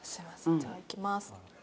じゃあいきます。